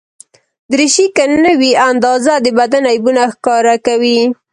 دریشي که نه وي اندازه، د بدن عیبونه ښکاره کوي.